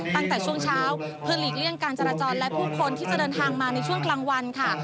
ตั้งแต่ช่วงเช้าเพื่อหลีกเลี่ยงการจราจรและผู้คนที่จะเดินทางมาในช่วงกลางวันค่ะ